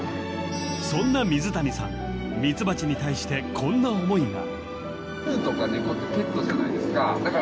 ［そんな水谷さんミツバチに対してこんな思いが］